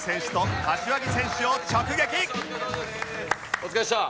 お疲れでした！